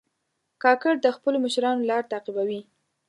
کاکړ د خپلو مشرانو لار تعقیبوي.